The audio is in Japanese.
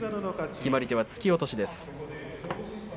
決まり手は突き落としです。